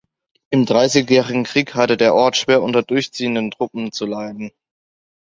Im Dreißigjährigen Krieg hatte der Ort schwer unter durchziehenden Truppen zu leiden.